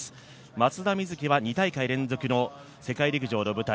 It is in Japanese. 松田瑞生は２大会連続の世界陸上の舞台